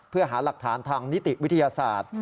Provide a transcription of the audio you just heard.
เพื่อหาหลักฐานทางนิติวิทยาศาสตร์